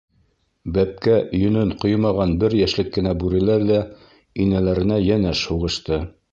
Бәпкә йөнөн ҡоймаған бер йәшлек кенә бүреләр ҙә инәләренә йәнәш һуғышты.